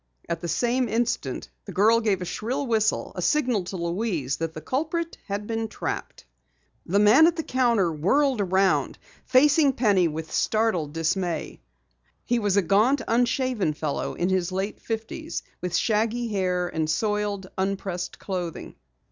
At the same instant, the girl gave a shrill whistle, a signal to Louise that the culprit had been trapped. The man at the counter whirled around, facing Penny with startled dismay. He was a gaunt, unshaven fellow in his late fifties with shaggy hair, and soiled, unpressed clothing.